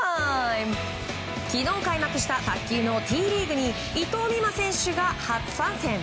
昨日開幕した卓球のＴリーグに伊藤美誠選手が初参戦。